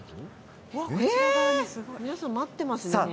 皆さん、待っていますね。